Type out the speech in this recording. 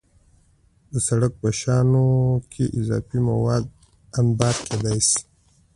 د سړک په شانو کې اضافي مواد انبار کېدای شي